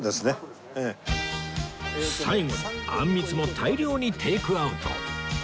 最後にあんみつも大量にテイクアウト